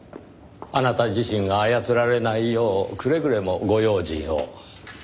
あなた自身が操られないようくれぐれもご用心を。